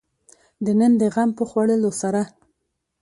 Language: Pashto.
د نن د غم په خوړلو سره.